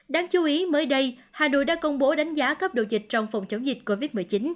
đáng chú ý mới đây hà nội đã công bố đánh giá cấp độ dịch trong phòng chống dịch covid một mươi chín